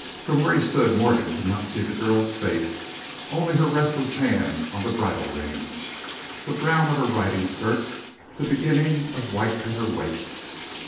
From where he stood Morgan could not see the girl's face, only her restless hand on the bridle rein, the brown of her riding skirt, the beginning of white at her waist.